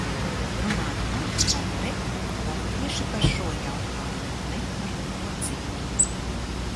"Runāt "par" vai "pret" var tieši par šo jautājumu, ne par ko citu."